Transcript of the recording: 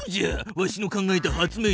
わしの考えた発明品は。